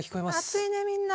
熱いねみんな。